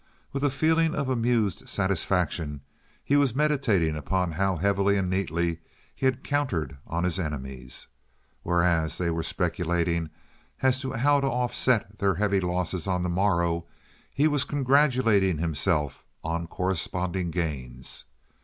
With a feeling of amused satisfaction he was meditating upon how heavily and neatly he had countered on his enemies. Whereas they were speculating as to how to offset their heavy losses on the morrow, he was congratulating himself on corresponding gains.